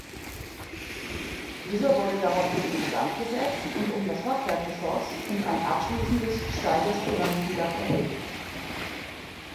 Dieser wurde daraufhin instandgesetzt und um das Fachwerkgeschoss und ein abschließendes steiles Pyramidendach erhöht.